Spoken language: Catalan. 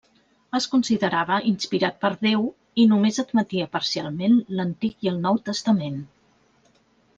Es considerava inspirat per Déu i només admetia parcialment l'Antic i el Nou testament.